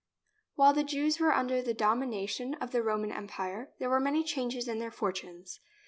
WHILE the Jews were under the domi nation of the Roman Empire there were many changes in their fortunes.